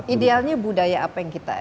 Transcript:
idealnya budaya apa yang kita